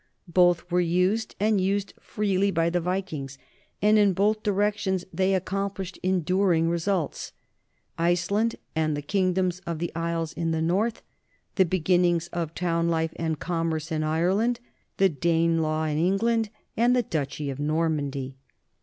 Both were used, and used freely, by the Vikings, and in both directions they ac complished enduring results: Iceland and the king doms of the isles in the north, the beginnings of town life and commerce in Ireland, the Danelaw in England, and the duchy of Normandy.